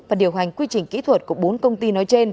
và điều hành quy trình kỹ thuật của bốn công ty